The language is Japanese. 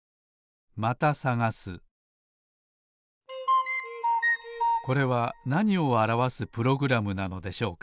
またさがすこれはなにをあらわすプログラムなのでしょうか？